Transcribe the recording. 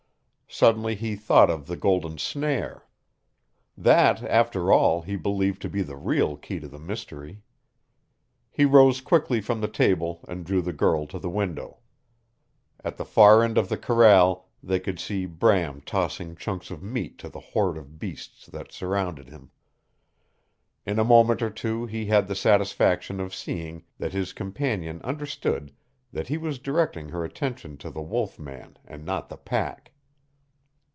Suddenly he thought of the golden snare. That, after all, he believed to be the real key to the mystery. He rose quickly from the table and drew the girl to the window. At the far end of the corral they could see Bram tossing chunks of meat to the horde of beasts that surrounded him. In a moment or two he had the satisfaction of seeing that his companion understood that he was directing her attention to the wolf man and not the pack.